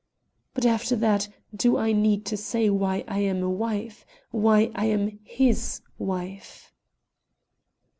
But after that, do I need to say why I am a wife? why I am his wife?"